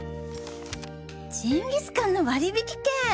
ジンギスカンの割引券！